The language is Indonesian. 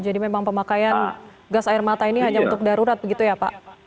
jadi memang pemakaian gas air mata ini hanya untuk darurat begitu ya pak